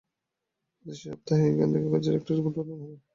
প্রতি সপ্তাহে এখান থেকে কাজের একটা রিপোর্ট পাঠান হবে।